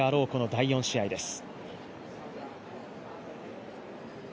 第４試合です。